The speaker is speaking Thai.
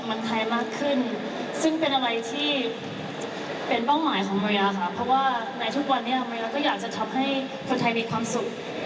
ทำให้มาริยายิ่งจะอยากทำทุกอย่างให้เต็มที่มากขึ้นให้ดีที่สุด